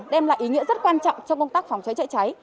đem lại ý nghĩa rất quan trọng trong công tác phòng cháy chữa cháy